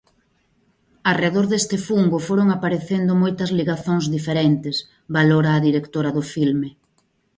"Arredor deste fungo foron aparecendo moitas ligazóns diferentes", valora a directora do filme.